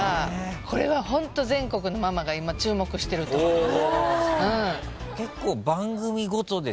これはホント全国のママが今注目してると思います。